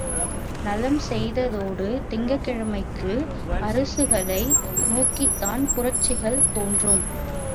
நலம் செய்யாததோடு தீங்கிழைக்கும் அரசுகளை நோக்கித்தான் புரட்சிகள் தோன்றும்.